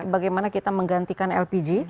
bagaimana kita menggantikan lpg